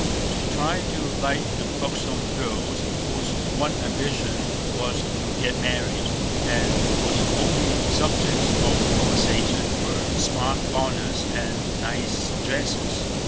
She tried to like the buxom girls whose one ambition was to "get married," and whose only subjects of conversation were "smart bonnets" and "nice dresses."